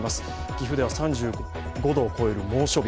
岐阜では３５度を超える猛暑日。